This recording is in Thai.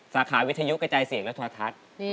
สาขาวิทยุใกล้ใจเสียงและธวทัศน์